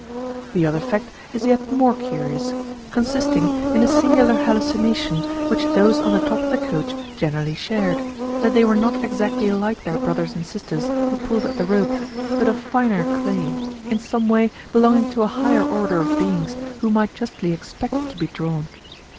The other fact is yet more curious, consisting in a singular hallucination which those on the top of the coach generally shared, that they were not exactly like their brothers and sisters who pulled at the rope, but of finer clay, in some way belonging to a higher order of beings who might justly expect to be drawn.